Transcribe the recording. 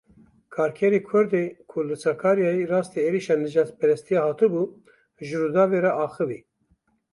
Karkerê Kurd ê ku li Sakaryayê rastî êrişa nijadperstiyê hatibû ji Rûdawê re axivî.